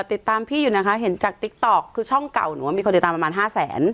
ติดตามพี่อยู่นะคะเห็นจากติ๊กต๊อกคือช่องเก่าหนูว่ามีคนติดตามประมาณห้าแสน